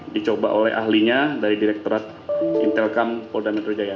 dicoba oleh ahlinya dari direkturat intelkam polda metro jaya